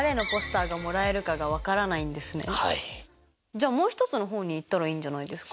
じゃあもう１つの方に行ったらいいんじゃないんですか？